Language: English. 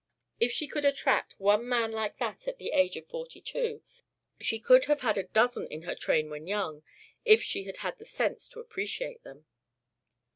If she could attract one man like that, at the age of forty two, she could have had a dozen in her train when young if she had had the sense to appreciate them.